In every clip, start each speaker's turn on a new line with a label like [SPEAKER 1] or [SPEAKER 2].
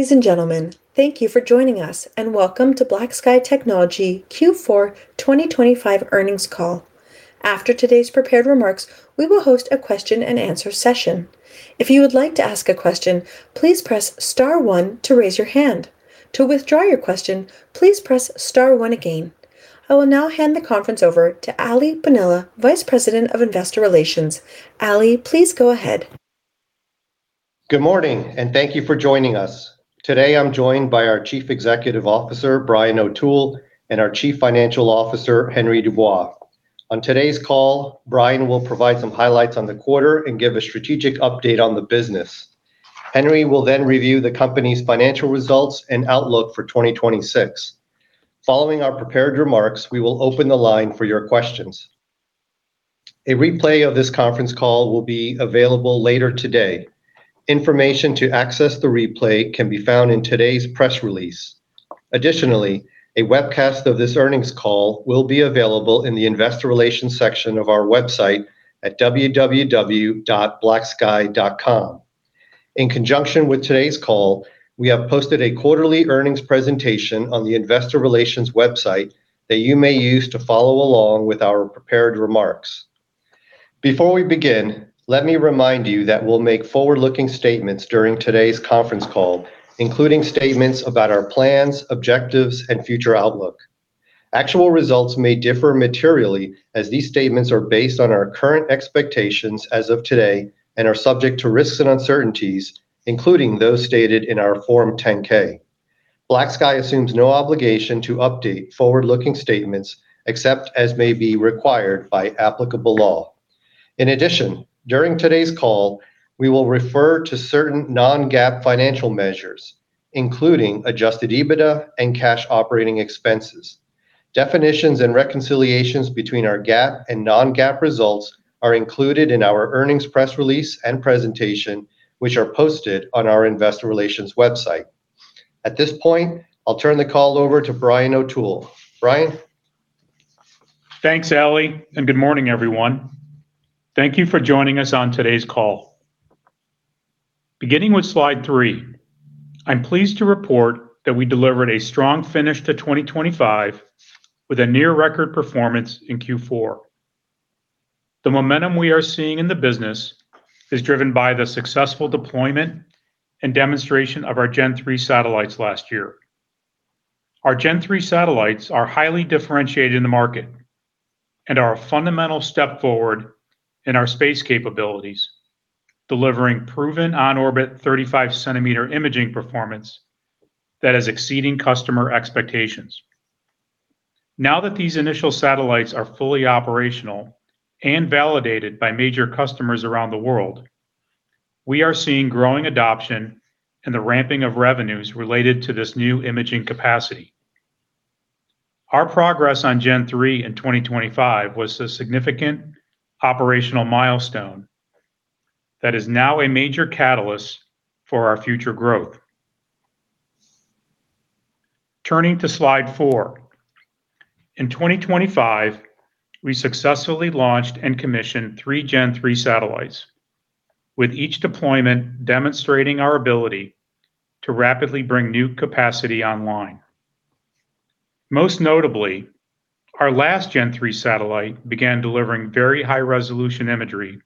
[SPEAKER 1] Ladies and gentlemen, thank you for joining us, and welcome to BlackSky Technology Q4 2025 Earnings Call. After today's prepared remarks, we will host a question and answer session. If you would like to ask a question, please press star one to raise your hand. To withdraw your question, please press star one again. I will now hand the conference over to Aly Bonilla, Vice President of Investor Relations. Aly, please go ahead.
[SPEAKER 2] Good morning. Thank you for joining us. Today, I'm joined by our Chief Executive Officer, Brian O'Toole, and our Chief Financial Officer, Henry Dubois. On today's call, Brian will provide some highlights on the quarter and give a strategic update on the business. Henry will review the company's financial results and outlook for 2026. Following our prepared remarks, we will open the line for your questions. A replay of this conference call will be available later today. Information to access the replay can be found in today's press release. Additionally, a webcast of this earnings call will be available in the Investor Relations section of our website at www.blacksky.com. In conjunction with today's call, we have posted a quarterly earnings presentation on the investor relations website that you may use to follow along with our prepared remarks. Before we begin, let me remind you that we'll make forward-looking statements during today's conference call, including statements about our plans, objectives, and future outlook. Actual results may differ materially, as these statements are based on our current expectations as of today and are subject to risks and uncertainties, including those stated in our Form 10-K. BlackSky assumes no obligation to update forward-looking statements except as may be required by applicable law. In addition, during today's call, we will refer to certain non-GAAP financial measures, including adjusted EBITDA and cash operating expenses. Definitions and reconciliations between our GAAP and non-GAAP results are included in our earnings press release and presentation, which are posted on our investor relations website. At this point, I'll turn the call over to Brian O'Toole. Brian?
[SPEAKER 3] Thanks, Aly. Good morning, everyone. Thank you for joining us on today's call. Beginning with slide three, I'm pleased to report that we delivered a strong finish to 2025 with a near record performance in Q4. The momentum we are seeing in the business is driven by the successful deployment and demonstration of our Gen-3 satellites last year. Our Gen-3 satellites are highly differentiated in the market and are a fundamental step forward in our space capabilities, delivering proven on-orbit 35 centimeter imaging performance that is exceeding customer expectations. Now that these initial satellites are fully operational and validated by major customers around the world, we are seeing growing adoption and the ramping of revenues related to this new imaging capacity. Our progress on Gen-3 in 2025 was a significant operational milestone that is now a major catalyst for our future growth. Turning to slide four. In 2025, we successfully launched and commissioned three Gen-3 satellites, with each deployment demonstrating our ability to rapidly bring new capacity online. Most notably, our last Gen-3 satellite began delivering very high-resolution imagery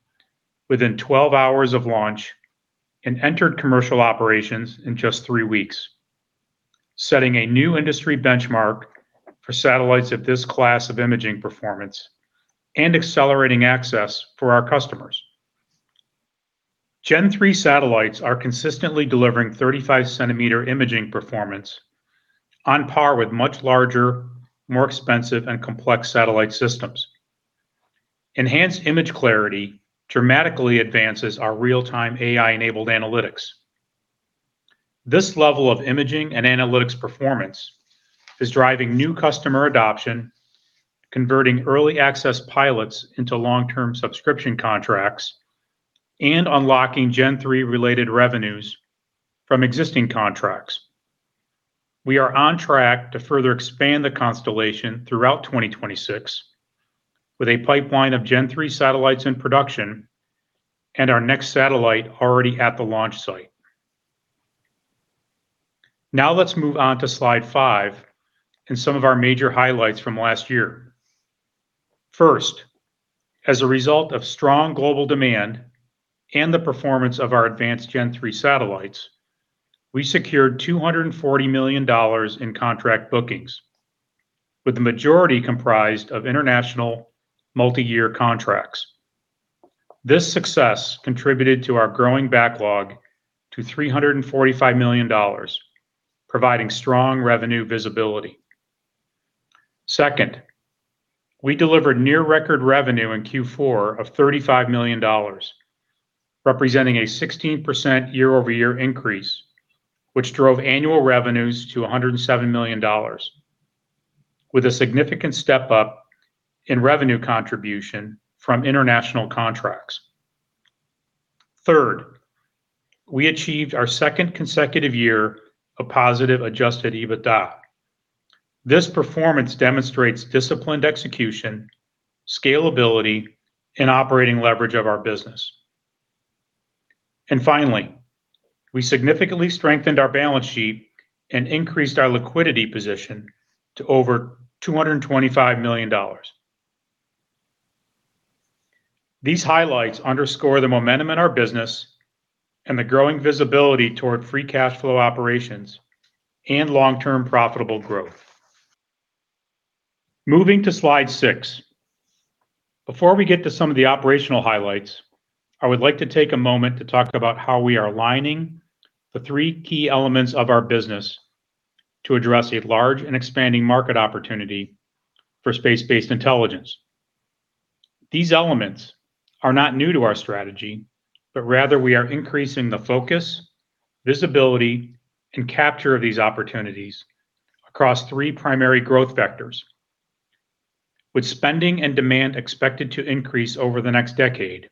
[SPEAKER 3] within 12 hours of launch and entered commercial operations in just three weeks, setting a new industry benchmark for satellites of this class of imaging performance and accelerating access for our customers. Gen-3 satellites are consistently delivering 35 centimeter imaging performance on par with much larger, more expensive, and complex satellite systems. Enhanced image clarity dramatically advances our real-time AI-enabled analytics. This level of imaging and analytics performance is driving new customer adoption, converting early access pilots into long-term subscription contracts, and unlocking Gen-3-related revenues from existing contracts. We are on track to further expand the constellation throughout 2026 with a pipeline of Gen-3 satellites in production and our next satellite already at the launch site. Now, let's move on to slide five and some of our major highlights from last year. First, as a result of strong global demand and the performance of our advanced Gen-3 satellites, we secured $240 million in contract bookings, with the majority comprised of international multiyear contracts. This success contributed to our growing backlog to $345 million, providing strong revenue visibility. Second, we delivered near record revenue in Q4 of $35 million, representing a 16% year-over-year increase, which drove annual revenues to $107 million, with a significant step up in revenue contribution from international contracts. Third, we achieved our second consecutive year of positive adjusted EBITDA. This performance demonstrates disciplined execution, scalability, and operating leverage of our business. Finally, we significantly strengthened our balance sheet and increased our liquidity position to over $225 million. These highlights underscore the momentum in our business and the growing visibility toward free cash flow operations and long-term profitable growth. Moving to slide six. Before we get to some of the operational highlights, I would like to take a moment to talk about how we are aligning the three key elements of our business to address a large and expanding market opportunity for space-based intelligence. These elements are not new to our strategy, but rather we are increasing the focus, visibility, and capture of these opportunities across three primary growth vectors. With spending and demand expected to increase over the next decade,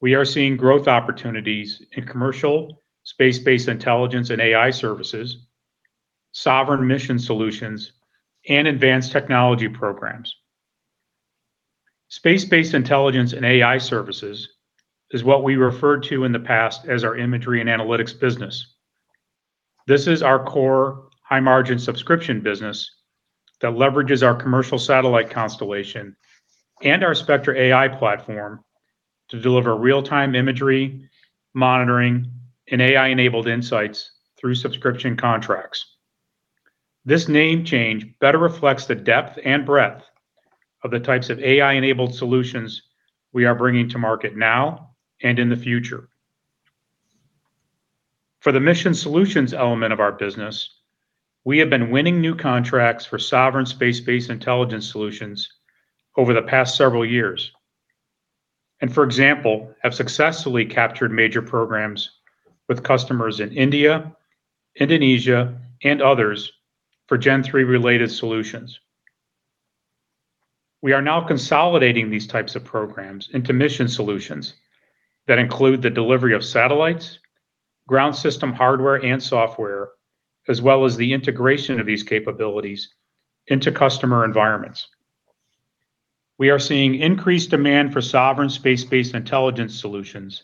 [SPEAKER 3] we are seeing growth opportunities in commercial, space-based intelligence and AI services, sovereign mission solutions, and advanced technology programs. Space-based intelligence and AI services is what we referred to in the past as our imagery and analytics business. This is our core high-margin subscription business that leverages our commercial satellite constellation and our Spectra AI platform to deliver real-time imagery, monitoring, and AI-enabled insights through subscription contracts. This name change better reflects the depth and breadth of the types of AI-enabled solutions we are bringing to market now and in the future. For the mission solutions element of our business, we have been winning new contracts for sovereign space-based intelligence solutions over the past several years, and for example, have successfully captured major programs with customers in India, Indonesia, and others for Gen-3 related solutions. We are now consolidating these types of programs into mission solutions that include the delivery of satellites, ground system hardware and software, as well as the integration of these capabilities into customer environments. We are seeing increased demand for sovereign space-based intelligence solutions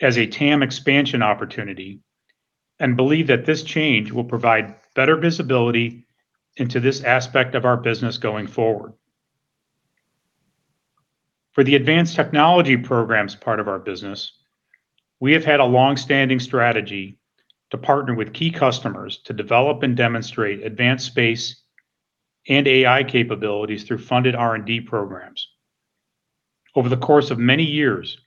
[SPEAKER 3] as a TAM expansion opportunity, and believe that this change will provide better visibility into this aspect of our business going forward. For the advanced technology programs part of our business, we have had a long-standing strategy to partner with key customers to develop and demonstrate advanced space and AI capabilities through funded R&D programs. Over the course of many years,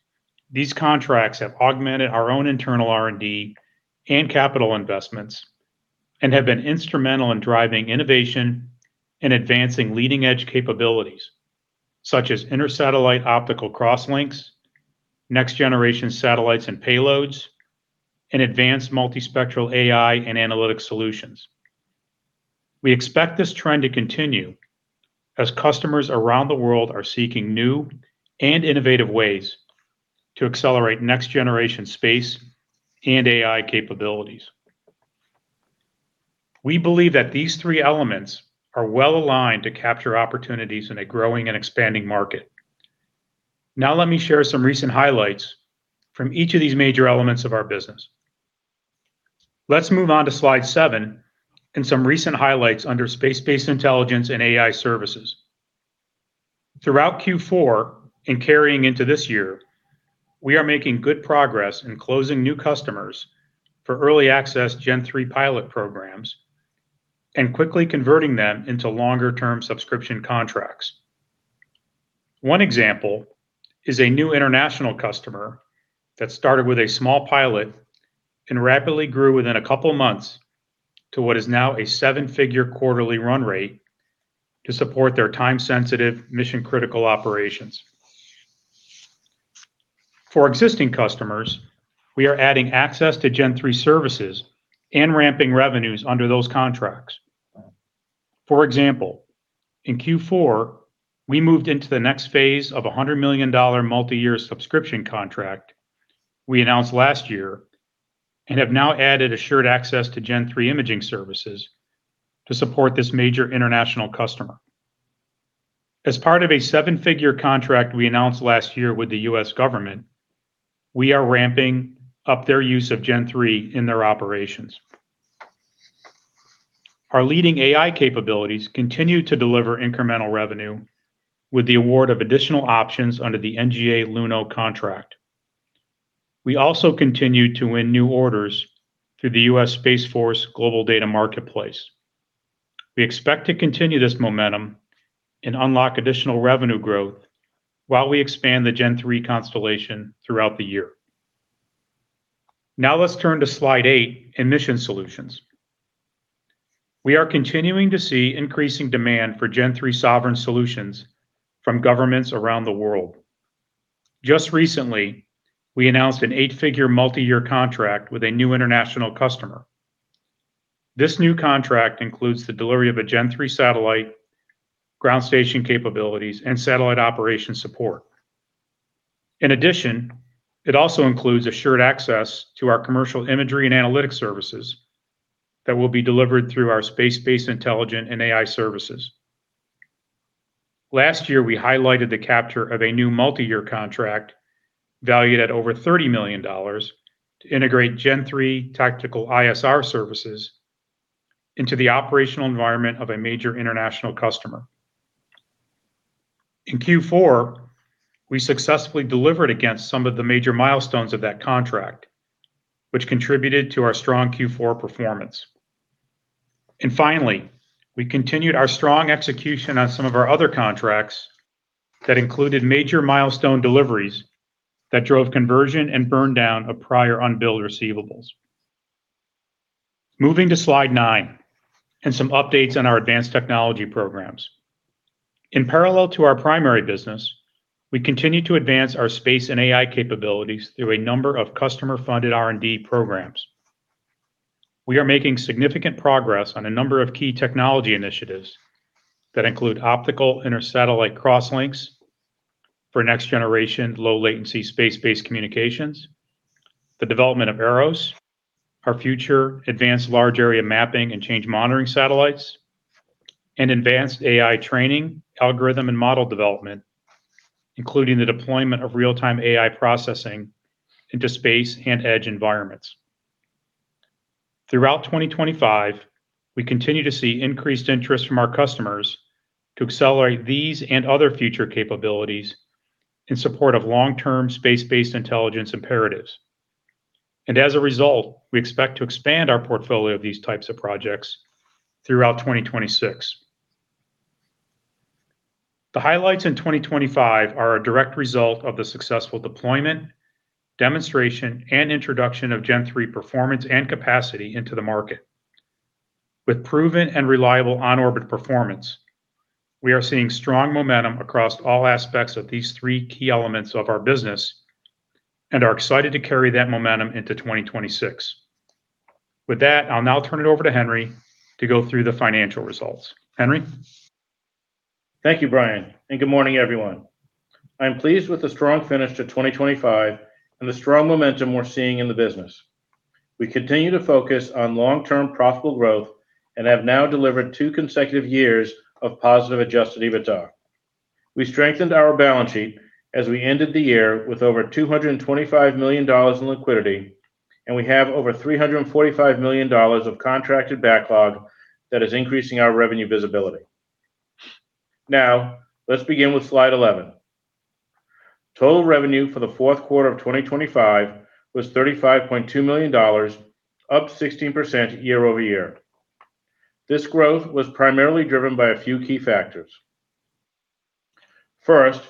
[SPEAKER 3] these contracts have augmented our own internal R&D and capital investments, and have been instrumental in driving innovation and advancing leading-edge capabilities, such as inter-satellite optical cross links, next-generation satellites and payloads, and advanced multispectral AI and analytics solutions. We expect this trend to continue as customers around the world are seeking new and innovative ways to accelerate next-generation space and AI capabilities. We believe that these three elements are well-aligned to capture opportunities in a growing and expanding market. Let me share some recent highlights from each of these major elements of our business. Let's move on to slide seven and some recent highlights under space-based intelligence and AI services. Throughout Q4 and carrying into this year, we are making good progress in closing new customers for early access Gen-3 pilot programs and quickly converting them into longer-term subscription contracts. One example is a new international customer that started with a small pilot and rapidly grew within a couple of months to what is now a seven-figure quarterly run rate to support their time-sensitive, mission-critical operations. For existing customers, we are adding access to Gen-3 services and ramping revenues under those contracts. For example, in Q4, we moved into the next phase of a $100 million multi-year subscription contract we announced last year and have now added assured access to Gen-3 imaging services to support this major international customer. As part of a seven-figure contract we announced last year with the U.S. government, we are ramping up their use of Gen-3 in their operations. Our leading AI capabilities continue to deliver incremental revenue with the award of additional options under the NGA LUNO contract. We also continued to win new orders through the U.S. Space Force Global Data Marketplace. We expect to continue this momentum and unlock additional revenue growth while we expand the Gen-3 constellation throughout the year. Let's turn to slide eight in mission solutions. We are continuing to see increasing demand for Gen-3 sovereign solutions from governments around the world. Just recently, we announced an eight8-figure multi-year contract with a new international customer. This new contract includes the delivery of a Gen-3 satellite, ground station capabilities, and satellite operation support. In addition, it also includes assured access to our commercial imagery and analytics services that will be delivered through our space-based intelligence and AI services. Last year, we highlighted the capture of a new multi-year contract valued at over $30 million to integrate Gen-3 tactical ISR services into the operational environment of a major international customer. In Q4, we successfully delivered against some of the major milestones of that contract, which contributed to our strong Q4 performance. Finally, we continued our strong execution on some of our other contracts that included major milestone deliveries that drove conversion and burn down of prior unbilled receivables. Moving to slide nine, and some updates on our advanced technology programs. In parallel to our primary business, we continue to advance our space and AI capabilities through a number of customer-funded R&D programs. We are making significant progress on a number of key technology initiatives that include optical inter-satellite cross links for next generation, low latency, space-based communications, the development of AROS, our future advanced large area mapping and change monitoring satellites, and advanced AI training, algorithm, and model development, including the deployment of real-time AI processing into space and edge environments. Throughout 2025, we continue to see increased interest from our customers to accelerate these and other future capabilities in support of long-term space-based intelligence imperatives. As a result, we expect to expand our portfolio of these types of projects throughout 2026. The highlights in 2025 are a direct result of the successful deployment, demonstration, and introduction of Gen-3 performance and capacity into the market. With proven and reliable on-orbit performance, we are seeing strong momentum across all aspects of these three key elements of our business and are excited to carry that momentum into 2026. With that, I'll now turn it over to Henry to go through the financial results. Henry?
[SPEAKER 4] Thank you, Brian. Good morning, everyone. I'm pleased with the strong finish to 2025 and the strong momentum we're seeing in the business. We continue to focus on long-term profitable growth and have now delivered two consecutive years of positive adjusted EBITDA. We strengthened our balance sheet as we ended the year with over $225 million in liquidity. We have over $345 million of contracted backlog that is increasing our revenue visibility. Let's begin with slide 11. Total revenue for the fourth quarter of 2025 was $35.2 million, up 16% year-over-year. This growth was primarily driven by a few key factors. First,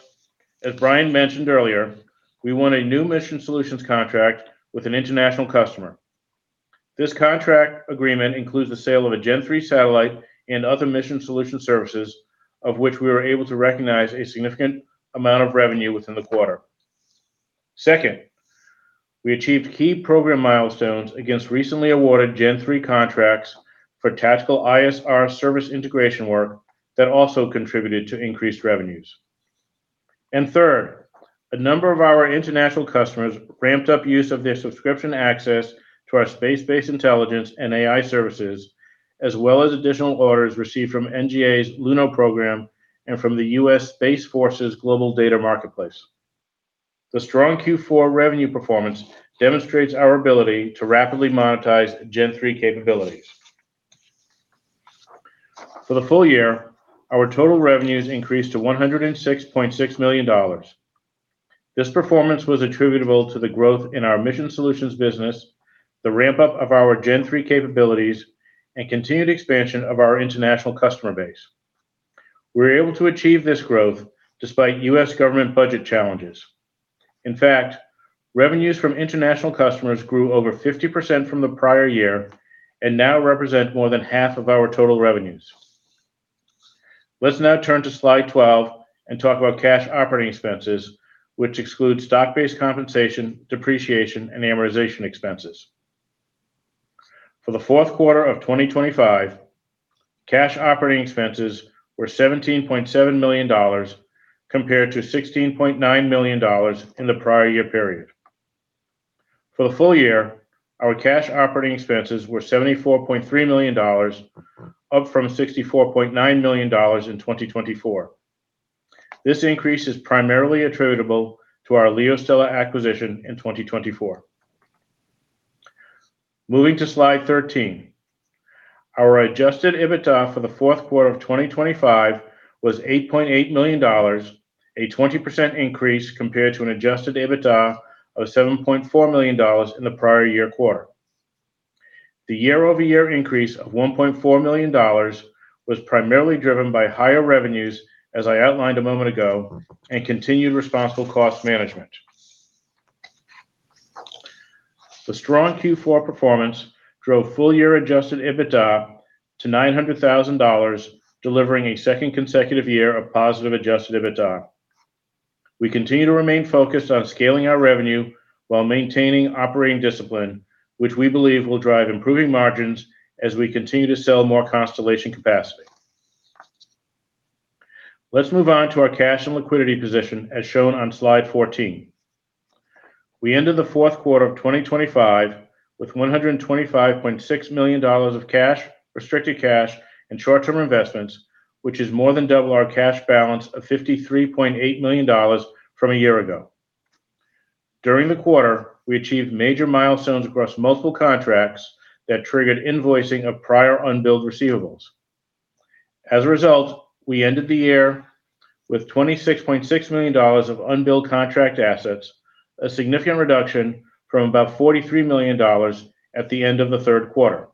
[SPEAKER 4] as Brian mentioned earlier, we won a new Mission Solutions contract with an international customer. This contract agreement includes the sale of a Gen-3 satellite and other Mission Solution services, of which we were able to recognize a significant amount of revenue within the quarter. Second, we achieved key program milestones against recently awarded Gen-3 contracts for tactical ISR service integration work that also contributed to increased revenues. Third, a number of our international customers ramped up use of their subscription access to our space-based intelligence and AI services, as well as additional orders received from NGA's Luno program and from the U.S. Space Force's Global Data Marketplace. The strong Q4 revenue performance demonstrates our ability to rapidly monetize Gen-3 capabilities. For the full year, our total revenues increased to $106.6 million. This performance was attributable to the growth in our Mission Solutions business, the ramp-up of our Gen-3 capabilities, and continued expansion of our international customer base. We're able to achieve this growth despite U.S. government budget challenges. In fact, revenues from international customers grew over 50% from the prior year and now represent more than half of our total revenues. Let's now turn to Slide 12 and talk about cash operating expenses, which exclude stock-based compensation, depreciation, and amortization expenses. For the fourth quarter of 2025, cash operating expenses were $17.7 million, compared to $16.9 million in the prior year period. For the full year, our cash operating expenses were $74.3 million, up from $64.9 million in 2024. This increase is primarily attributable to our LeoStella acquisition in 2024. Moving to Slide 13. Our adjusted EBITDA for the fourth quarter of 2025 was $8.8 million, a 20% increase compared to an adjusted EBITDA of $7.4 million in the prior year quarter. The year-over-year increase of $1.4 million was primarily driven by higher revenues, as I outlined a moment ago, and continued responsible cost management. The strong Q4 performance drove full-year adjusted EBITDA to $900,000, delivering a second consecutive year of positive adjusted EBITDA. We continue to remain focused on scaling our revenue while maintaining operating discipline, which we believe will drive improving margins as we continue to sell more constellation capacity. Let's move on to our cash and liquidity position, as shown on slide 14. We ended the fourth quarter of 2025 with $125.6 million of cash, restricted cash, and short-term investments, which is more than double our cash balance of $53.8 million from a year ago. During the quarter, we achieved major milestones across multiple contracts that triggered invoicing of prior unbilled receivables. As a result, we ended the year with $26.6 million of unbilled contract assets, a significant reduction from about $43 million at the end of the third quarter.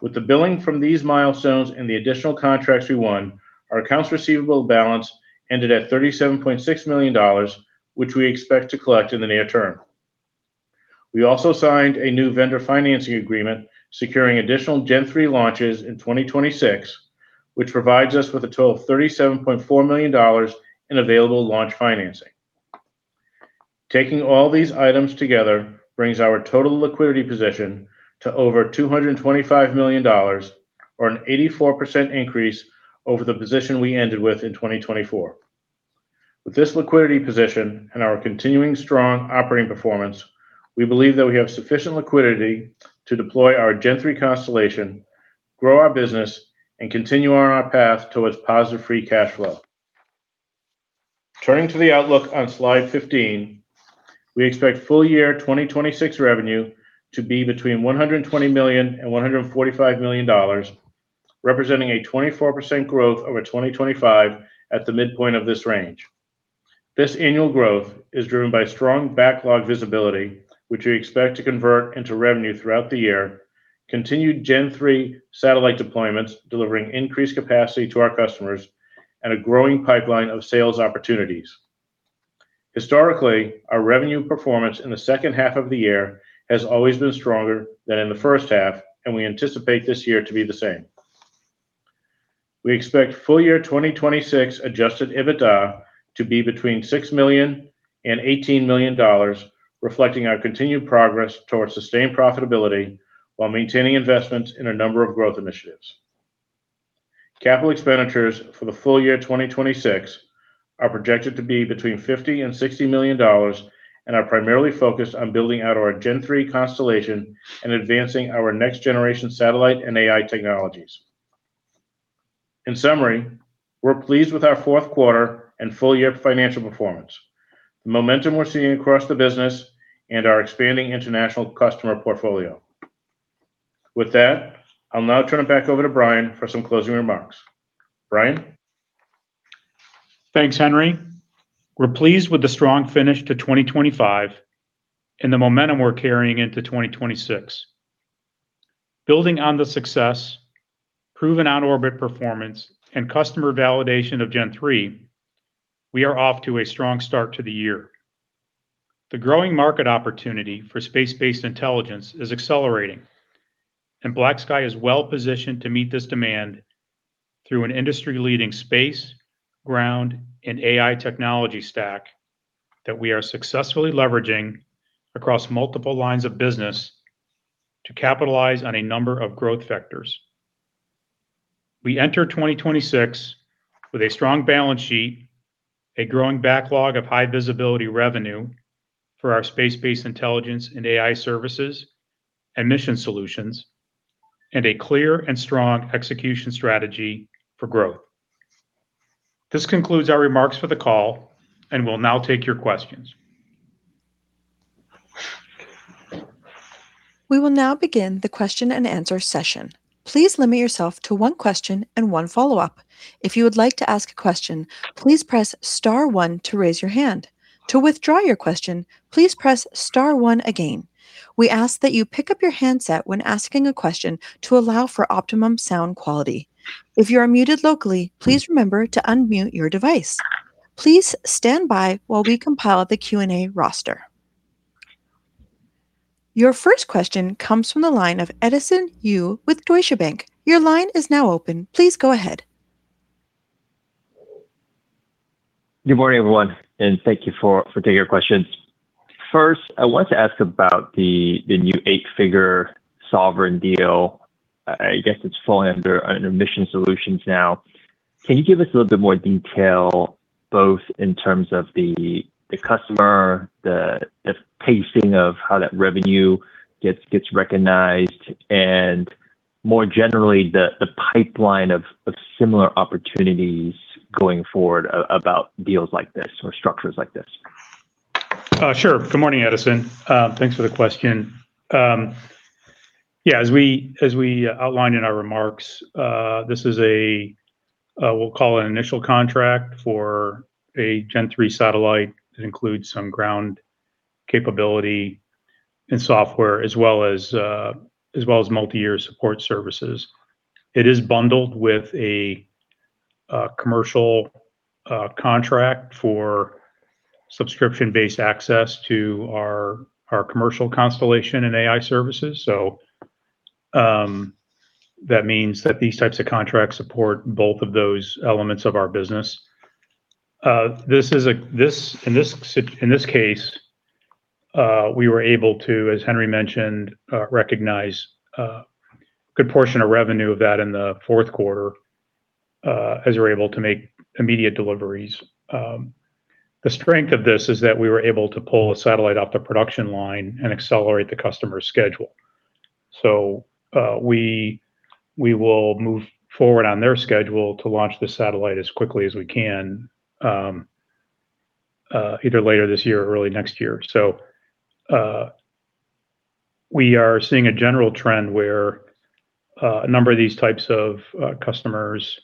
[SPEAKER 4] With the billing from these milestones and the additional contracts we won, our accounts receivable balance ended at $37.6 million, which we expect to collect in the near term. We also signed a new vendor financing agreement, securing additional Gen-3 launches in 2026, which provides us with a total of $37.4 million in available launch financing. Taking all these items together brings our total liquidity position to over $225 million, or an 84% increase over the position we ended with in 2024. With this liquidity position and our continuing strong operating performance, we believe that we have sufficient liquidity to deploy our Gen-3 constellation, grow our business, and continue on our path towards positive free cash flow. Turning to the outlook on slide 15, we expect full year 2026 revenue to be between $120 million and $145 million, representing a 24% growth over 2025 at the midpoint of this range. This annual growth is driven by strong backlog visibility, which we expect to convert into revenue throughout the year, continued Gen-3 satellite deployments, delivering increased capacity to our customers, and a growing pipeline of sales opportunities. Historically, our revenue performance in the second half of the year has always been stronger than in the first half. We anticipate this year to be the same. We expect full year 2026 adjusted EBITDA to be between $6 million and $18 million, reflecting our continued progress towards sustained profitability, while maintaining investments in a number of growth initiatives. Capital expenditures for the full year 2026 are projected to be between $50 million and $60 million, and are primarily focused on building out our Gen-3 constellation and advancing our next generation satellite and AI technologies. In summary, we're pleased with our fourth quarter and full year financial performance, the momentum we're seeing across the business, and our expanding international customer portfolio. With that, I'll now turn it back over to Brian for some closing remarks. Brian?
[SPEAKER 3] Thanks, Henry. We're pleased with the strong finish to 2025 and the momentum we're carrying into 2026. Building on the success, proven on-orbit performance, and customer validation of Gen-3, we are off to a strong start to the year. The growing market opportunity for space-based intelligence is accelerating, and BlackSky is well positioned to meet this demand through an industry-leading space, ground, and AI technology stack that we are successfully leveraging across multiple lines of business to capitalize on a number of growth vectors. We enter 2026 with a strong balance sheet, a growing backlog of high visibility revenue for our space-based intelligence and AI services, and mission solutions, and a clear and strong execution strategy for growth. This concludes our remarks for the call, and we'll now take your questions.
[SPEAKER 1] We will now begin the question-and-answer session. Please limit yourself to one question and one follow-up. If you would like to ask a question, please press star one to raise your hand. To withdraw your question, please press star one again. We ask that you pick up your handset when asking a question to allow for optimum sound quality. If you are muted locally, please remember to unmute your device. Please stand by while we compile the Q&A roster. Your first question comes from the line of Edison Yu with Deutsche Bank. Your line is now open. Please go ahead.
[SPEAKER 5] Good morning, everyone, thank you for taking our questions. First, I wanted to ask about the new eight-figure sovereign deal. I guess it's falling under Mission Solutions now. Can you give us a little bit more detail, both in terms of the customer, the pacing of how that revenue gets recognized, and more generally, the pipeline of similar opportunities going forward about deals like this or structures like this?
[SPEAKER 3] Sure. Good morning, Edison. Thanks for the question. Yeah, as we outlined in our remarks, this is a, we'll call it an initial contract for a Gen-3 satellite. It includes some ground capability and software, as well as multi-year support services. It is bundled with a commercial contract for subscription-based access to our commercial constellation and AI services. That means that these types of contracts support both of those elements of our business. This is a, in this case, we were able to, as Henry mentioned, recognize a good portion of revenue of that in the fourth quarter, as we were able to make immediate deliveries. The strength of this is that we were able to pull a satellite off the production line and accelerate the customer's schedule. We will move forward on their schedule to launch the satellite as quickly as we can either later this year or early next year. We are seeing a general trend where a number of these types of customers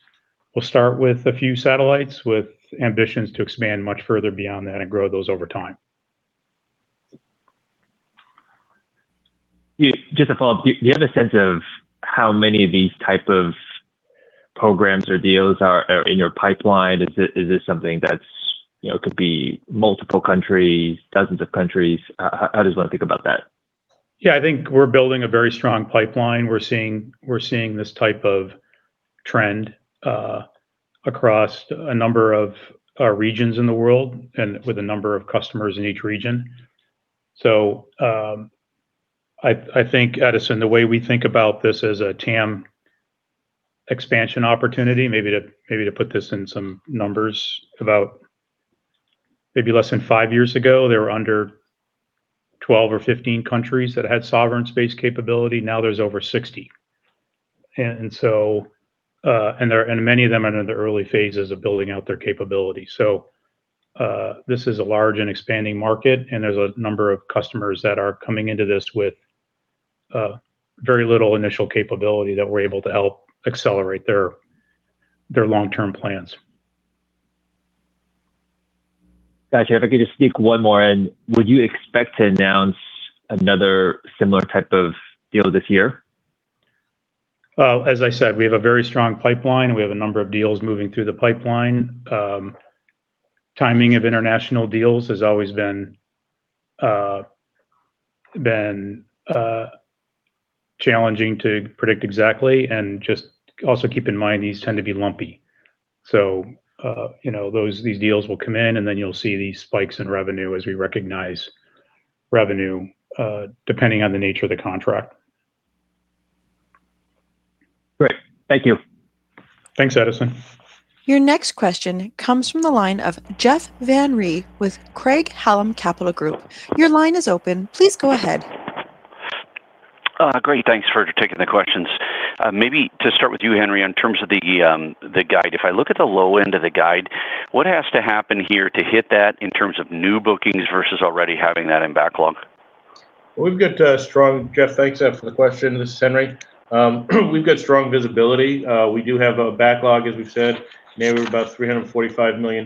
[SPEAKER 3] will start with a few satellites, with ambitions to expand much further beyond that and grow those over time.
[SPEAKER 5] Yeah, just to follow up, do you have a sense of how many of these type of programs or deals are in your pipeline? Is this something that's, you know, could be multiple countries, dozens of countries? How does one think about that?
[SPEAKER 3] Yeah, I think we're building a very strong pipeline. We're seeing this type of trend across a number of regions in the world and with a number of customers in each region. I think, Edison, the way we think about this as a TAM expansion opportunity, maybe to put this in some numbers, about maybe less than five years ago, there were under 12 or 15 countries that had sovereign space capability, now there's over 60. Many of them are in the early phases of building out their capability. This is a large and expanding market, and there's a number of customers that are coming into this with very little initial capability that we're able to help accelerate their long-term plans.
[SPEAKER 5] Gotcha. If I could just sneak one more in: Would you expect to announce another similar type of deal this year?
[SPEAKER 3] Well, as I said, we have a very strong pipeline. We have a number of deals moving through the pipeline. Timing of international deals has always been challenging to predict exactly. Just also keep in mind, these tend to be lumpy. You know, those, these deals will come in, and then you'll see these spikes in revenue as we recognize revenue, depending on the nature of the contract.
[SPEAKER 5] Great. Thank you.
[SPEAKER 3] Thanks, Edison.
[SPEAKER 1] Your next question comes from the line of Jeff Van Riel with Craig-Hallum Capital Group. Your line is open. Please go ahead.
[SPEAKER 6] Great. Thanks for taking the questions. Maybe to start with you, Henry, in terms of the guide, if I look at the low end of the guide, what has to happen here to hit that in terms of new bookings versus already having that in backlog?
[SPEAKER 4] We've got a strong Jeff, thanks for the question. This is Henry. We've got strong visibility. We do have a backlog, as we've said, maybe about $345 million.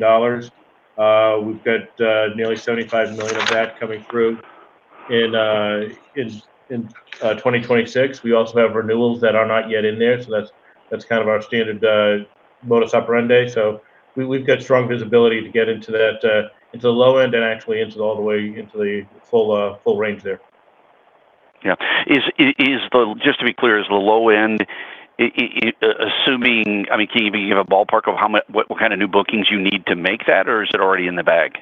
[SPEAKER 4] We've got nearly $75 million of that coming through in 2026. We also have renewals that are not yet in there, so that's kind of our standard modus operandi. We've got strong visibility to get into that, into the low end and actually into all the way into the full range there.
[SPEAKER 6] Yeah. Is the low end, assuming I mean, can you give a ballpark of how much, what kind of new bookings you need to make that, or is it already in the bag?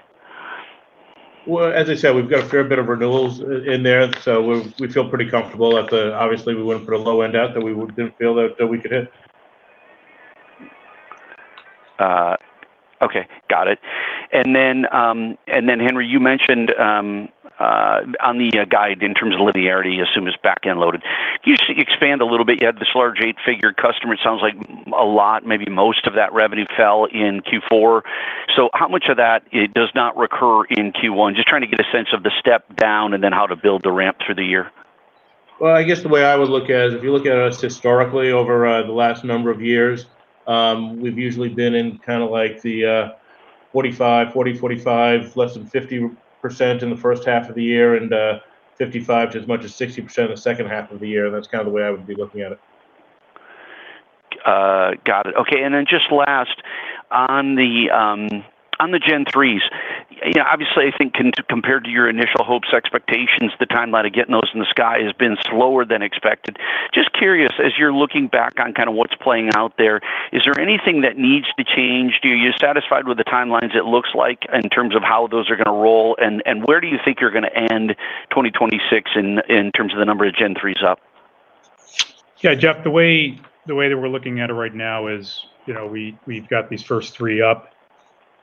[SPEAKER 4] Well, as I said, we've got a fair bit of renewals in there, so we feel pretty comfortable. Obviously, we wouldn't put a low end out that we wouldn't feel that we could hit.
[SPEAKER 6] Okay, got it. Henry, you mentioned on the guide in terms of linearity, assuming it's back-end loaded. You expand a little bit, you had this large eight-figure customer. It sounds like a lot, maybe most of that revenue fell in Q4. How much of that does not recur in Q1? Just trying to get a sense of the step down and then how to build the ramp through the year.
[SPEAKER 4] Well, I guess the way I would look at it, if you look at us historically over the last number of years, we've usually been in kind of like the 45, 40, 45, less than 50% in the first half of the year, and 55 to as much as 60% in the second half of the year. That's kind of the way I would be looking at it.
[SPEAKER 6] Got it. Okay, then just last, on the on the Gen-3s, you know, obviously, I think compared to your initial hopes, expectations, the timeline of getting those in the sky has been slower than expected. Just curious, as you're looking back on kind of what's playing out there, is there anything that needs to change? Are you satisfied with the timelines it looks like in terms of how those are gonna roll? Where do you think you're gonna end 2026 in terms of the number of Gen-3s up?
[SPEAKER 3] Yeah, Jeff, the way that we're looking at it right now is, you know, we've got these first three up,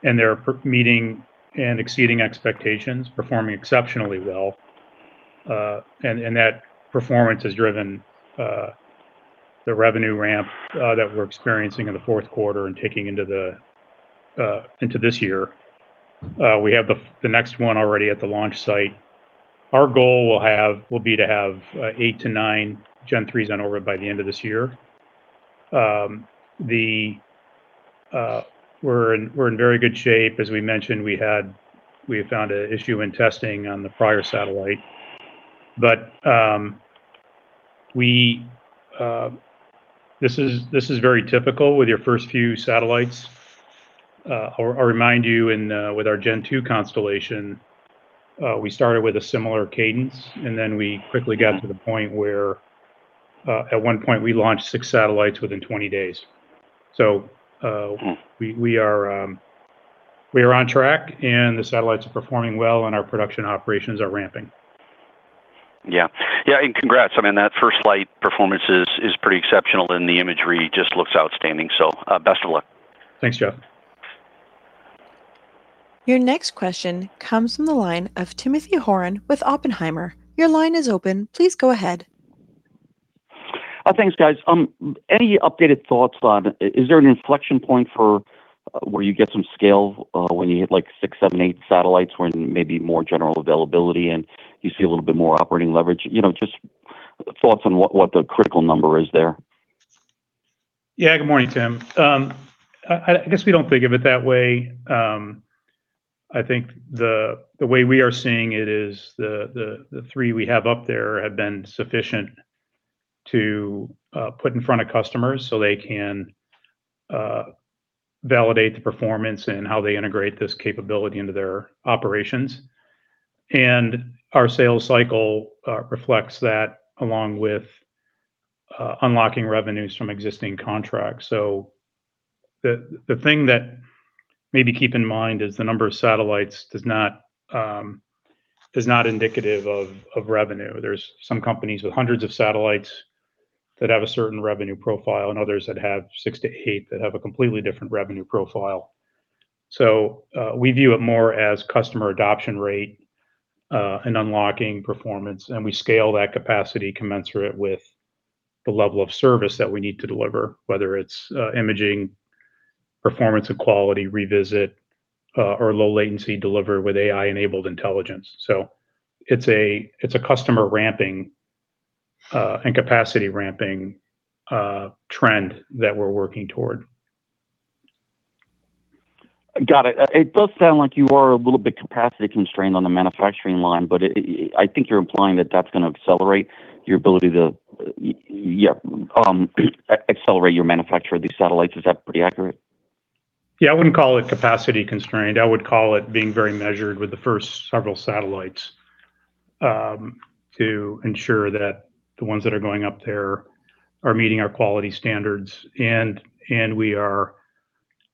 [SPEAKER 3] and they're meeting and exceeding expectations, performing exceptionally well. That performance has driven the revenue ramp that we're experiencing in the fourth quarter and taking into this year. We have the next one already at the launch site. Our goal will be to have eight-nine Gen-3s on orbit by the end of this year. We're in very good shape. As we mentioned, we had found a issue in testing on the prior satellite, but this is very typical with your first few satellites. I'll remind you in with our Gen-2 constellation, we started with a similar cadence, and then we quickly got to the point where at one point, we launched six satellites within 20 days. We are on track, and the satellites are performing well, and our production operations are ramping.
[SPEAKER 6] Yeah. Yeah, and congrats. I mean, that first flight performance is pretty exceptional, and the imagery just looks outstanding. Best of luck.
[SPEAKER 3] Thanks, Jeff.
[SPEAKER 1] Your next question comes from the line of Timothy Horan with Oppenheimer. Your line is open. Please go ahead.
[SPEAKER 7] Thanks, guys. Any updated thoughts on, is there an inflection point for, where you get some scale, when you hit, like, six, seven, eight satellites, where maybe more general availability, and you see a little bit more operating leverage? You know, just thoughts on what the critical number is there?
[SPEAKER 3] Yeah. Good morning, Tim. I guess we don't think of it that way. I think the way we are seeing it is the, the three we have up there have been sufficient to put in front of customers, so they can validate the performance and how they integrate this capability into their operations. Our sales cycle reflects that along with unlocking revenues from existing contracts. The, the thing that maybe keep in mind is the number of satellites does not is not indicative of revenue. There's some companies with 100 of satellites that have a certain revenue profile and others that have six to eight that have a completely different revenue profile. We view it more as customer adoption rate and unlocking performance, and we scale that capacity commensurate with the level of service that we need to deliver, whether it's imaging, performance and quality, revisit, or low latency delivery with AI-enabled intelligence. It's a customer ramping and capacity ramping trend that we're working toward.
[SPEAKER 7] Got it. It does sound like you are a little bit capacity constrained on the manufacturing line, but I think you're implying that that's going to accelerate your ability to accelerate your manufacture of these satellites. Is that pretty accurate?
[SPEAKER 3] Yeah, I wouldn't call it capacity constrained. I would call it being very measured with the first several satellites, to ensure that the ones that are going up there are meeting our quality standards. And we are,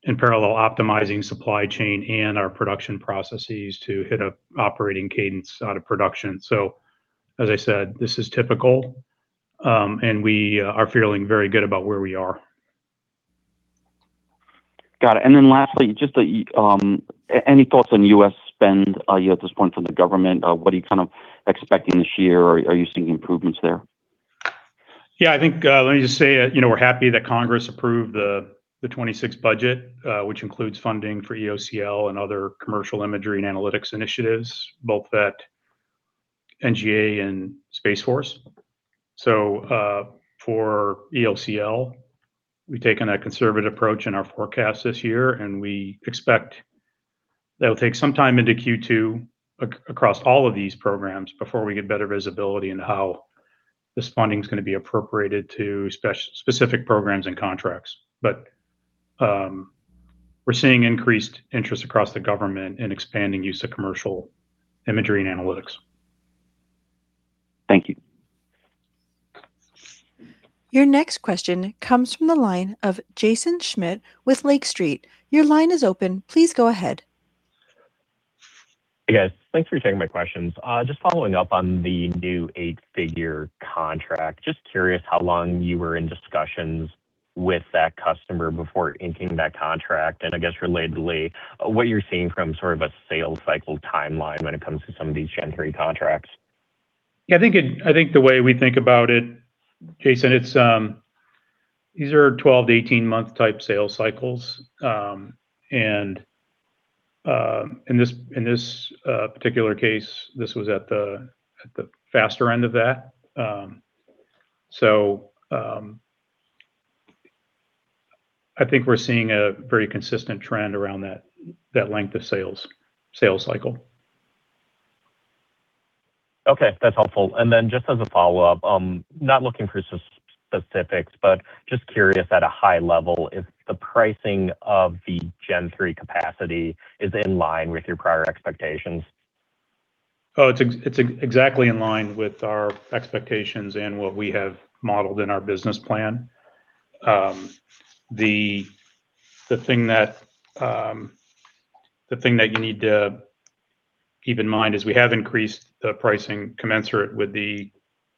[SPEAKER 3] in parallel, optimizing supply chain and our production processes to hit a operating cadence out of production. As I said, this is typical, and we are feeling very good about where we are.
[SPEAKER 7] Got it. Lastly, just any thoughts on U.S. spend at this point from the government? What are you kind of expecting this year, or are you seeing improvements there?
[SPEAKER 3] I think, let me just say, you know, we're happy that Congress approved the 26 budget, which includes funding for EOCL and other commercial imagery and analytics initiatives, both at NGA and Space Force. For EOCL, we've taken a conservative approach in our forecast this year, and we expect that it'll take some time into Q2 across all of these programs before we get better visibility into how this funding is gonna be appropriated to specific programs and contracts. We're seeing increased interest across the government in expanding use of commercial imagery and analytics.
[SPEAKER 7] Thank you.
[SPEAKER 1] Your next question comes from the line of Jaeson Schmidt with Lake Street. Your line is open. Please go ahead.
[SPEAKER 8] Hey, guys. Thanks for taking my questions. Just following up on the new eight-figure contract. Just curious how long you were in discussions with that customer before inking that contract. I guess relatedly, what you're seeing from sort of a sales cycle timeline when it comes to some of these Gen-3 contracts.
[SPEAKER 3] Yeah, I think the way we think about it, Jaeson, it's, these are 12 to 18-month-type sales cycles. In this particular case, this was at the faster end of that. I think we're seeing a very consistent trend around that length of sales cycle.
[SPEAKER 8] Okay, that's helpful. Just as a follow-up, not looking for specifics, but just curious at a high level if the pricing of the Gen-3 capacity is in line with your prior expectations?
[SPEAKER 3] It's exactly in line with our expectations and what we have modeled in our business plan. The thing that you need to keep in mind is we have increased the pricing commensurate with the,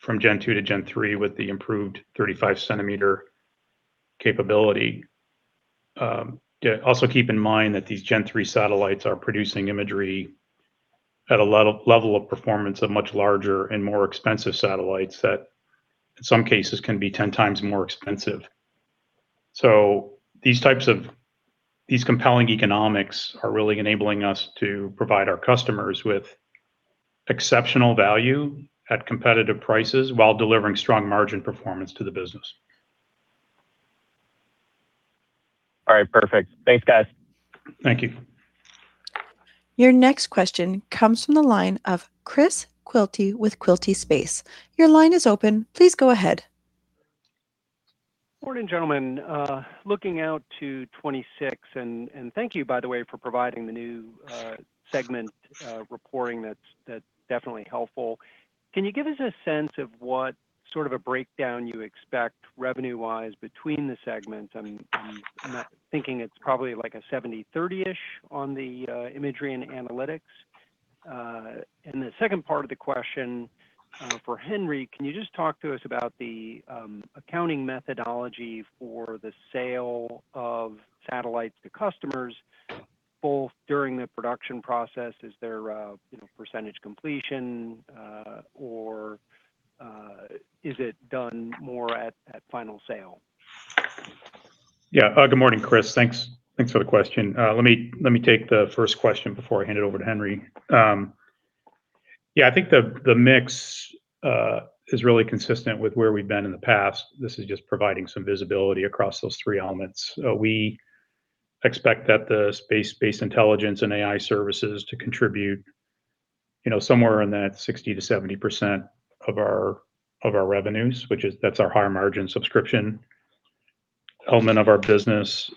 [SPEAKER 3] from Gen-2 to Gen-3, with the improved 35 centimeter capability. Yeah, also keep in mind that these Gen-3 satellites are producing imagery at a level of performance of much larger and more expensive satellites that in some cases can be 10 times more expensive. These compelling economics are really enabling us to provide our customers with exceptional value at competitive prices while delivering strong margin performance to the business.
[SPEAKER 8] All right. Perfect. Thanks, guys.
[SPEAKER 3] Thank you.
[SPEAKER 1] Your next question comes from the line of Chris Quilty with Quilty Space. Your line is open. Please go ahead.
[SPEAKER 9] Good morning, gentlemen. Looking out to 2026, and thank you, by the way, for providing the new segment reporting. That's definitely helpful. Can you give us a sense of what sort of a breakdown you expect revenue-wise between the segments? I'm thinking it's probably like a 70, 30-ish on the imagery and analytics. The second part of the question, for Henry, can you just talk to us about the accounting methodology for the sale of satellites to customers, both during the production process, is there a, you know, percentage completion, or is it done more at final sale?
[SPEAKER 3] Good morning, Chris. Thanks for the question. Let me take the first question before I hand it over to Henry. I think the mix is really consistent with where we've been in the past. This is just providing some visibility across those three elements. We expect that the space-based intelligence and AI services to contribute, you know, somewhere in that 60%-70% of our revenues, which is that's our higher margin subscription element of our business.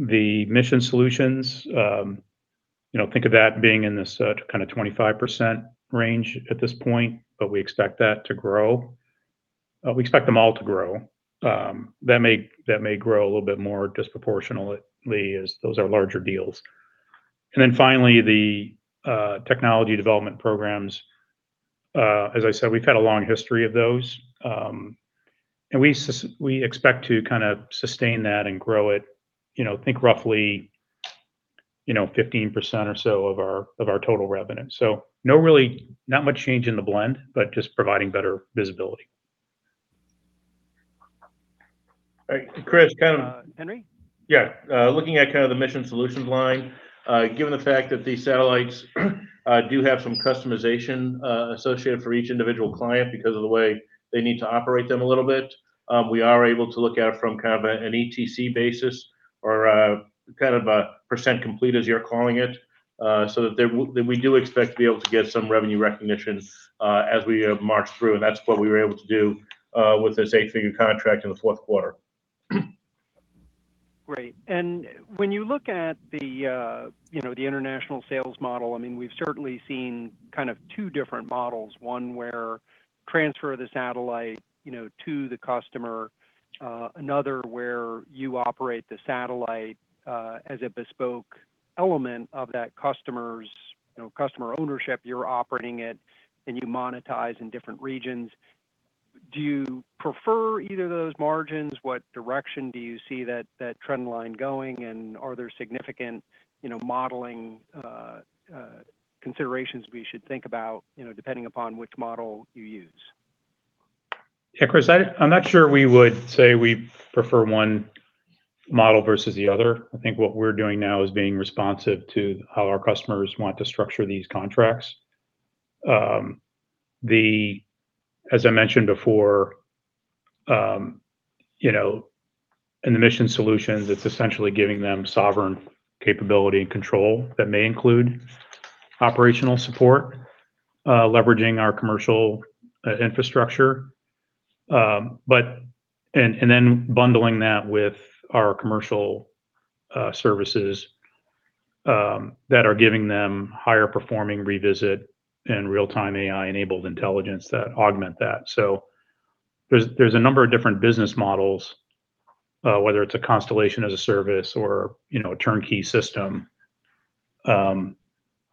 [SPEAKER 3] The mission solutions, you know, think of that being in this kind of 25% range at this point, but we expect that to grow. We expect them all to grow. That may grow a little bit more disproportionately, as those are larger deals. Finally, the technology development programs. As I said, we've had a long history of those. We expect to kind of sustain that and grow it, you know, think roughly, you know, 15% or so of our, of our total revenue. No, really, not much change in the blend, but just providing better visibility.
[SPEAKER 4] All right, Chris.
[SPEAKER 9] Henry?
[SPEAKER 4] Yeah. Looking at kind of the mission solutions line, given the fact that these satellites do have some customization associated for each individual client because of the way they need to operate them a little bit, we are able to look at it from kind of an ETC basis or kind of a percent complete, as you're calling it. We do expect to be able to get some revenue recognition, as we march through, and that's what we were able to do with this eight-figure contract in the fourth quarter.
[SPEAKER 9] Great. When you look at the, you know, the international sales model, I mean, we've certainly seen kind of two different models. One, where transfer the satellite, you know, to the customer, another where you operate the satellite as a bespoke element of that customer's, you know, customer ownership. You're operating it, and you monetize in different regions. Do you prefer either of those margins? What direction do you see that trend line going, and are there significant, you know, modeling considerations we should think about, you know, depending upon which model you use?
[SPEAKER 3] Yeah, Chris, I'm not sure we would say we prefer one model versus the other. I think what we're doing now is being responsive to how our customers want to structure these contracts. As I mentioned before, you know, in the mission solutions, it's essentially giving them sovereign capability and control that may include operational support, leveraging our commercial infrastructure. Bundling that with our commercial services, that are giving them higher performing revisit and real-time AI-enabled intelligence that augment that. There's a number of different business models, whether it's a constellation as a service or, you know, a turnkey system.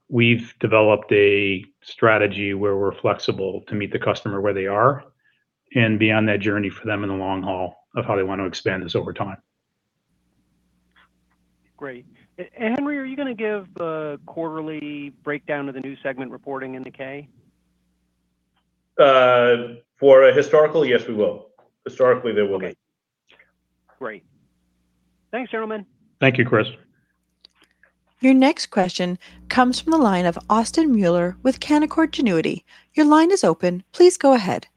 [SPEAKER 3] We've developed a strategy where we're flexible to meet the customer where they are and be on that journey for them in the long haul of how they want to expand this over time.
[SPEAKER 9] Great. Henry, are you gonna give the quarterly breakdown of the new segment reporting in the K?
[SPEAKER 4] For a historical, yes, we will. Historically, there will be.
[SPEAKER 9] Great. Thanks, gentlemen.
[SPEAKER 3] Thank you, Chris.
[SPEAKER 1] Your next question comes from the line of Austin Moeller with Canaccord Genuity. Your line is open. Please go ahead.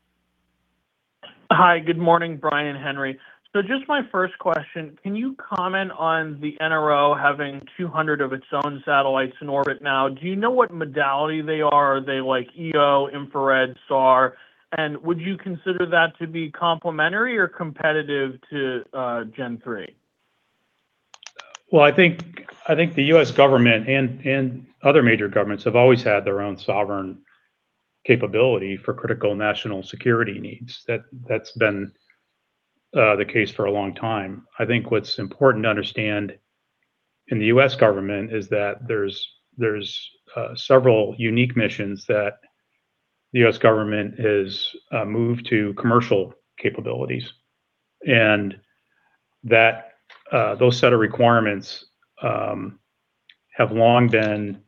[SPEAKER 10] Hi, good morning, Brian and Henry. Just my first question, can you comment on the NRO having 200 of its own satellites in orbit now? Do you know what modality they are? Are they like EO, infrared, SAR? Would you consider that to be complementary or competitive to Gen-3?
[SPEAKER 3] I think the U.S. government and other major governments have always had their own sovereign capability for critical national security needs. That's been the case for a long time. I think what's important to understand in the U.S. government is that there's several unique missions that the U.S. government has moved to commercial capabilities, and those set of requirements have long been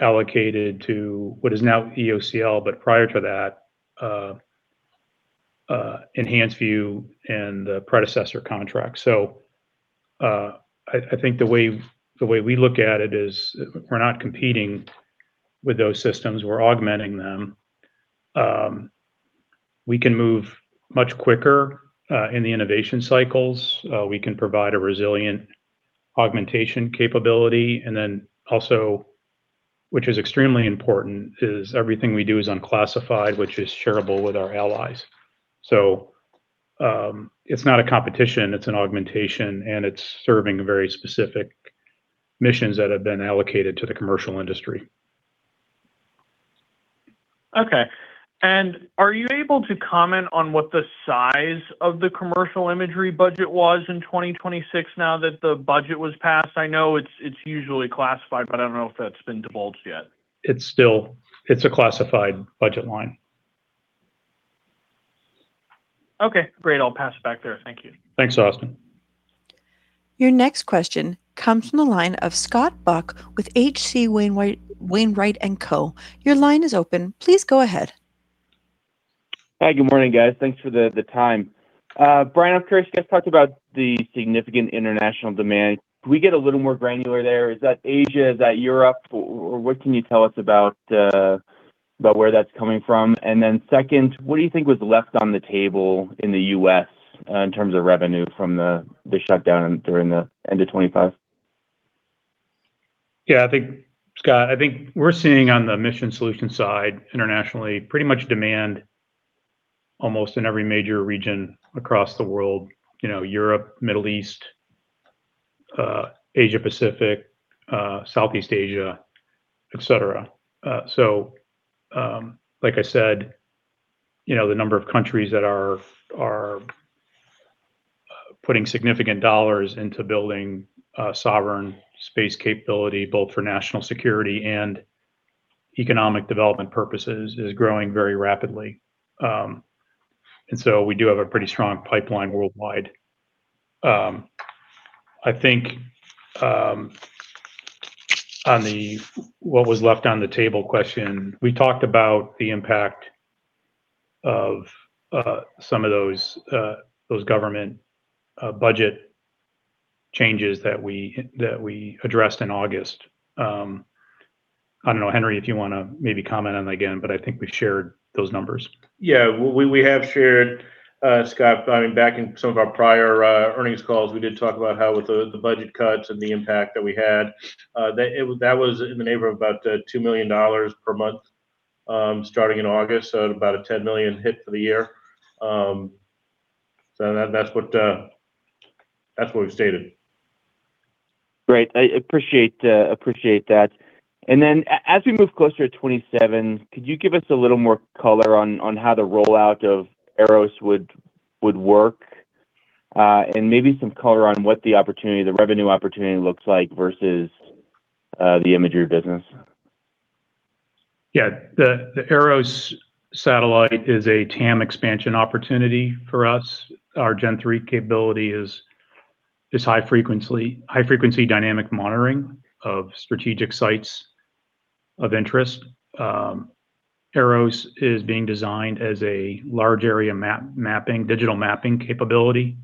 [SPEAKER 3] allocated to what is now EOCL, but prior to that, EnhancedView and the predecessor contract. I think the way we look at it is we're not competing with those systems, we're augmenting them. We can move much quicker in the innovation cycles. We can provide a resilient augmentation capability and then also... which is extremely important, is everything we do is unclassified, which is shareable with our allies. It's not a competition, it's an augmentation, and it's serving very specific missions that have been allocated to the commercial industry.
[SPEAKER 10] Okay. Are you able to comment on what the size of the commercial imagery budget was in 2026 now that the budget was passed? I know it's usually classified, but I don't know if that's been divulged yet.
[SPEAKER 3] It's still, it's a classified budget line.
[SPEAKER 10] Okay, great. I'll pass it back there. Thank you.
[SPEAKER 3] Thanks, Austin.
[SPEAKER 1] Your next question comes from the line of Scott Buck with H.C. Wainwright & Co. Your line is open. Please go ahead.
[SPEAKER 11] Hi, good morning, guys. Thanks for the time. Brian, I'm curious, you guys talked about the significant international demand. Can we get a little more granular there? Is that Asia, is that Europe, or what can you tell us about where that's coming from? Second, what do you think was left on the table in the U.S., in terms of revenue from the shutdown during the end of 25?
[SPEAKER 3] I think, Scott, I think we're seeing on the mission solution side, internationally, pretty much demand almost in every major region across the world. You know, Europe, Middle East, Asia-Pacific, Southeast Asia, et cetera. Like I said, you know, the number of countries that are putting significant dollars into building a sovereign space capability, both for national security and economic development purposes, is growing very rapidly. We do have a pretty strong pipeline worldwide. I think on the what was left on the table question, we talked about the impact of some of those those government budget changes that we addressed in August. I don't know, Henry, if you wanna maybe comment on that again, but I think we shared those numbers.
[SPEAKER 4] We have shared, Scott. I mean, back in some of our prior earnings calls, we did talk about how with the budget cuts and the impact that we had, that was in the neighbor of about $2 million per month, starting in August, so about a $10 million hit for the year. That's what we've stated.
[SPEAKER 11] Great. I appreciate that. Then as we move closer to 2027, could you give us a little more color on how the rollout of AROS would work? Maybe some color on what the revenue opportunity looks like versus the imagery business?
[SPEAKER 3] The, the AROS satellite is a TAM expansion opportunity for us. Our Gen-3 capability is high frequency, high-frequency dynamic monitoring of strategic sites of interest. AROS is being designed as a large area map-mapping, digital mapping capability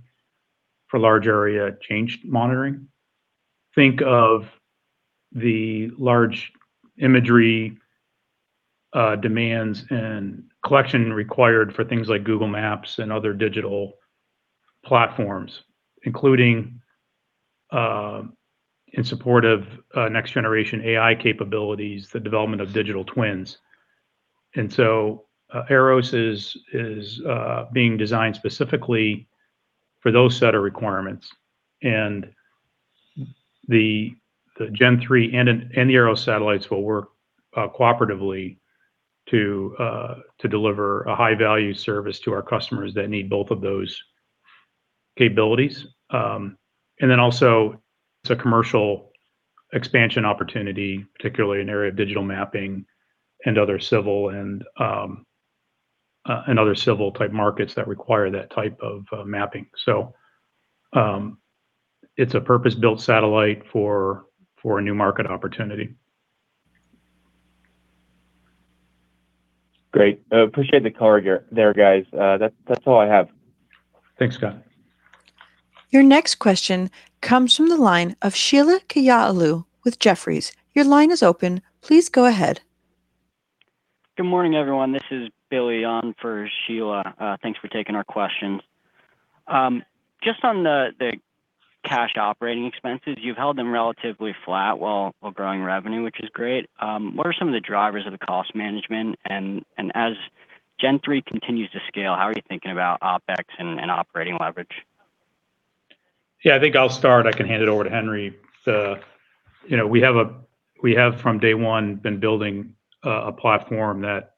[SPEAKER 3] for large area change monitoring. Think of the large imagery demands and collection required for things like Google Maps and other digital platforms, including in support of next generation AI capabilities, the development of digital twins. AROS is being designed specifically for those set of requirements. The, the Gen-3 and the AROS satellites will work cooperatively to deliver a high-value service to our customers that need both of those capabilities. Also, it's a commercial expansion opportunity, particularly in the area of digital mapping and other civil and other civil type markets that require that type of mapping. It's a purpose-built satellite for a new market opportunity.
[SPEAKER 11] Great. Appreciate the color there, guys. That's all I have.
[SPEAKER 3] Thanks, Scott.
[SPEAKER 1] Your next question comes from the line of Sheila Kahyaoglu with Jefferies. Your line is open. Please go ahead.
[SPEAKER 12] Good morning, everyone. This is Billy on for Sheila. Thanks for taking our questions. Just on the cash operating expenses, you've held them relatively flat while growing revenue, which is great. What are some of the drivers of the cost management? As Gen-3 continues to scale, how are you thinking about OpEx and operating leverage?
[SPEAKER 3] Yeah, I think I'll start. I can hand it over to Henry. You know, we have, we have, from day one, been building a platform that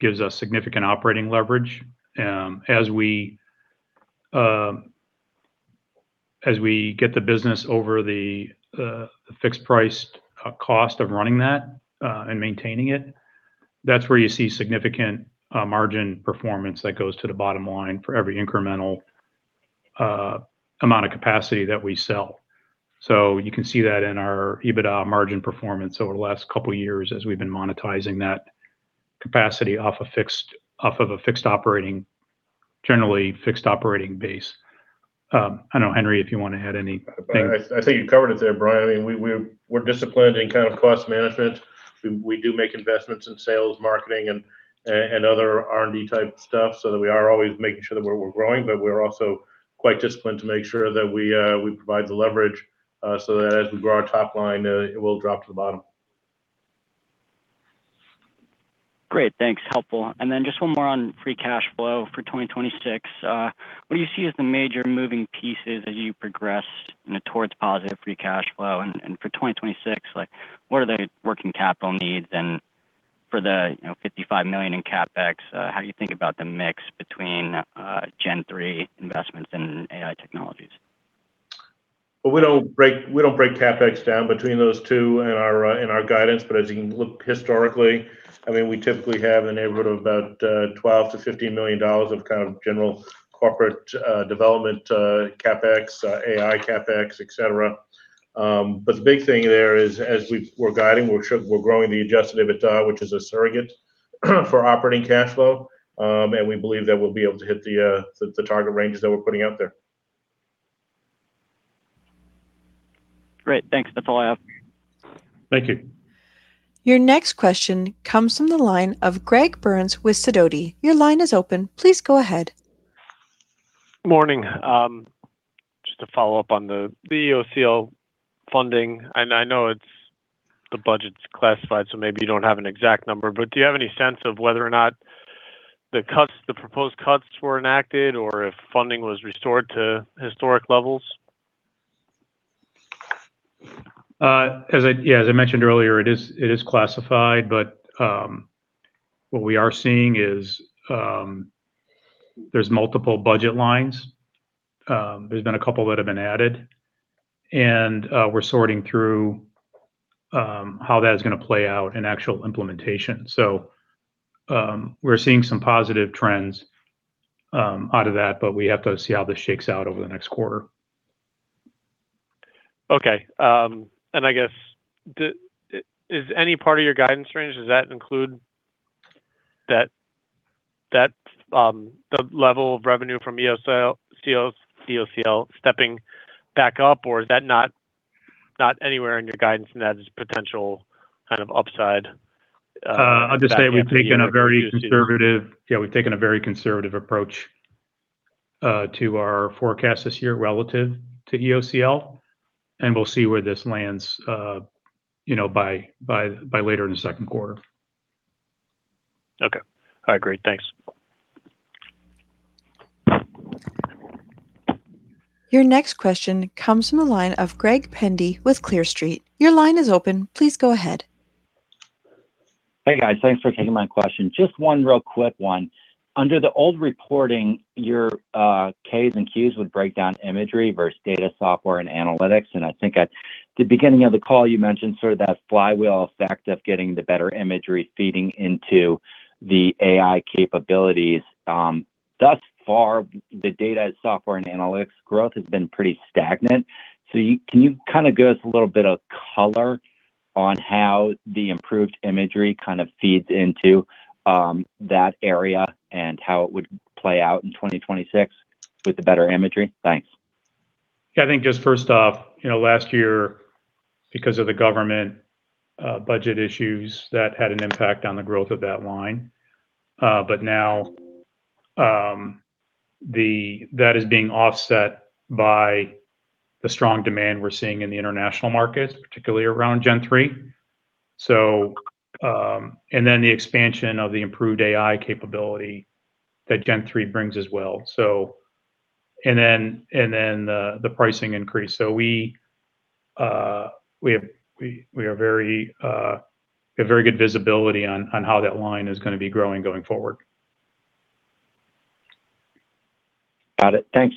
[SPEAKER 3] gives us significant operating leverage. As we, as we get the business over the fixed price cost of running that and maintaining it, that's where you see significant margin performance that goes to the bottom line for every incremental amount of capacity that we sell. You can see that in our EBITDA margin performance over the last couple of years as we've been monetizing that capacity off of a fixed operating generally fixed operating base. I don't know, Henry, if you want to add anything.
[SPEAKER 4] I think you covered it there, Brian. I mean, we're disciplined in kind of cost management. We do make investments in sales, marketing, and other R&D type stuff, so that we are always making sure that we're growing, but we're also quite disciplined to make sure that we provide the leverage, so that as we grow our top line, it will drop to the bottom.
[SPEAKER 12] Great, thanks. Helpful. Then just one more on free cash flow for 2026. What do you see as the major moving pieces as you progress, you know, towards positive free cash flow? For 2026, like, what are the working capital needs? For the, you know, $55 million in CapEx, how do you think about the mix between Gen-3 investments and AI technologies?
[SPEAKER 4] Well, we don't break CapEx down between those two in our guidance. As you can look historically, I mean, we typically have a neighborhood of about $12 million-$15 million of kind of general corporate development CapEx, AI CapEx, et cetera. The big thing there is, as we're guiding, we're sure we're growing the adjusted EBITDA, which is a surrogate for operating cash flow. We believe that we'll be able to hit the target ranges that we're putting out there.
[SPEAKER 12] Great, thanks. That's all I have.
[SPEAKER 4] Thank you.
[SPEAKER 1] Your next question comes from the line of Greg Burns with Sidoti. Your line is open. Please go ahead.
[SPEAKER 13] Morning. Just to follow up on the EOCL funding, and I know it's the budget's classified, so maybe you don't have an exact number. Do you have any sense of whether or not the cuts, the proposed cuts were enacted or if funding was restored to historic levels?
[SPEAKER 3] Yeah, as I mentioned earlier, it is classified, but what we are seeing is there's multiple budget lines. There's been a couple that have been added, and we're sorting through how that is gonna play out in actual implementation. We're seeing some positive trends out of that, but we have to see how this shakes out over the next quarter.
[SPEAKER 13] Okay. I guess, is any part of your guidance range, does that include that, the level of revenue from EOCL stepping back up? Is that not anywhere in your guidance, and that is potential kind of upside?
[SPEAKER 3] I'll just say we've taken a very conservative approach to our forecast this year relative to EOCL, and we'll see where this lands, you know, by later in the second quarter.
[SPEAKER 13] Okay. All right, great. Thanks.
[SPEAKER 1] Your next question comes from the line of Greg Pendy with Clear Street. Your line is open. Please go ahead.
[SPEAKER 14] Hey, guys. Thanks for taking my question. Just one real quick one. Under the old reporting, your K's and Q's would break down imagery versus data software and analytics, and I think at the beginning of the call, you mentioned sort of that flywheel effect of getting the better imagery feeding into the AI capabilities. Thus far, the data software and analytics growth has been pretty stagnant. Can you kind of give us a little bit of color on how the improved imagery kind of feeds into that area and how it would play out in 2026 with the better imagery? Thanks.
[SPEAKER 3] Yeah, I think just first off, you know, last year, because of the government budget issues, that had an impact on the growth of that line. But now, that is being offset by the strong demand we're seeing in the international markets, particularly around Gen-3. Then the expansion of the improved AI capability that Gen-3 brings as well. The pricing increase. We are very, we have very good visibility on how that line is gonna be growing going forward.
[SPEAKER 14] Got it. Thanks.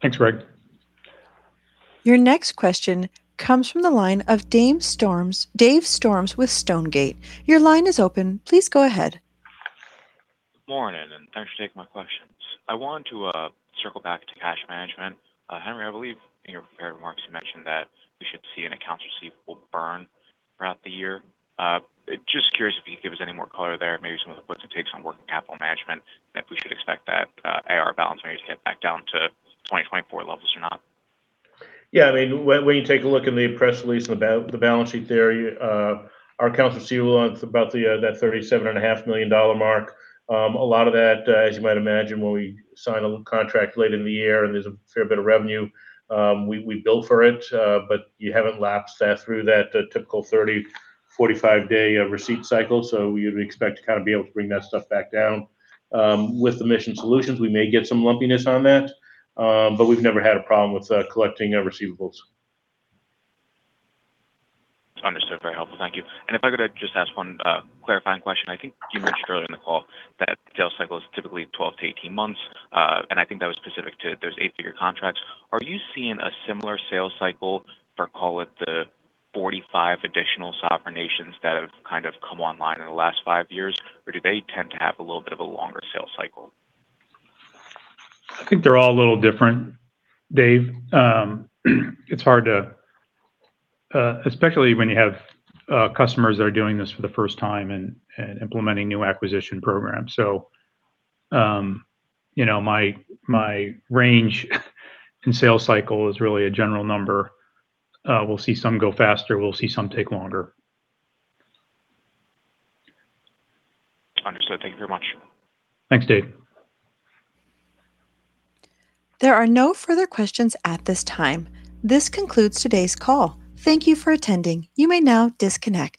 [SPEAKER 3] Thanks, Greg.
[SPEAKER 1] Your next question comes from the line of Dave Storms with Stonegate. Your line is open. Please go ahead.
[SPEAKER 15] Good morning. Thanks for taking my questions. I want to circle back to cash management. Henry, I believe in your prepared remarks, you mentioned that we should see an accounts receivable burn throughout the year. Just curious if you could give us any more color there, maybe some of the puts and takes on working capital management, if we should expect that AR balance may get back down to 2024 levels or not?
[SPEAKER 4] Yeah, I mean, when you take a look in the press release and the balance sheet there, our accounts receivable is about that $37.5 million mark. A lot of that, as you might imagine, when we sign a contract late in the year and there's a fair bit of revenue, we build for it. You haven't lapsed that through that typical 30, 45 day receipt cycle. We would expect to kind of be able to bring that stuff back down. With the mission solutions, we may get some lumpiness on that. We've never had a problem with collecting our receivables.
[SPEAKER 15] Understood. Very helpful. Thank you. If I could just ask one clarifying question. I think you mentioned earlier in the call that the sales cycle is typically 12-18 months, and I think that was specific to those eight-figure contracts. Are you seeing a similar sales cycle for, call it, the 45 additional sovereign nations that have kind of come online in the last five years, or do they tend to have a little bit of a longer sales cycle?
[SPEAKER 3] I think they're all a little different, Dave. It's hard to, especially when you have customers that are doing this for the first time and implementing new acquisition programs. You know, my range in sales cycle is really a general number. We'll see some go faster, we'll see some take longer.
[SPEAKER 15] Understood. Thank you very much.
[SPEAKER 3] Thanks, Dave.
[SPEAKER 1] There are no further questions at this time. This concludes today's call. Thank you for attending. You may now disconnect.